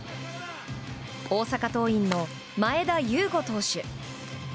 大阪桐蔭の前田悠伍投手。